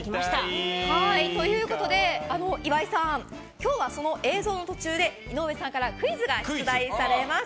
今日はその映像の途中で井上さんからクイズが出題されます。